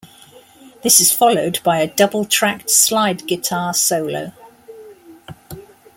This is followed by a double-tracked slide guitar solo.